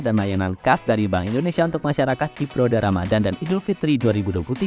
dan layanan khas dari bank indonesia untuk masyarakat di periode ramadhan dan idul fitri dua ribu dua puluh tiga